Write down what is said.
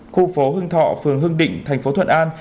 khu phố hưng thọ phường hưng định tp thuận an